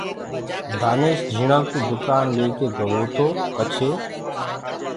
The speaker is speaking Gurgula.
دآنيش جھيٚڻآ ڪو دُڪآن ليڪي گوو تو پڇي